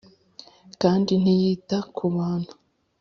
Kandi ntiyita ku bantu